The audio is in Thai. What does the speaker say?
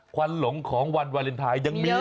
วันหลงของวันวาเลนไทยยังมี